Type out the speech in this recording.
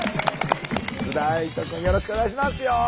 津田愛土くんよろしくお願いしますよ。